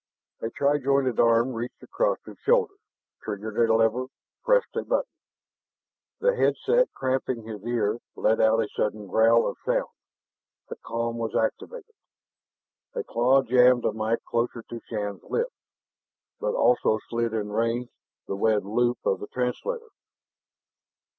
A tri jointed arm reached across his shoulder, triggered a lever, pressed a button. The head set cramping his ear let out a sudden growl of sound the com was activated. A claw jammed the mike closer to Shann's lips, but also slid in range the webbed loop of the translator.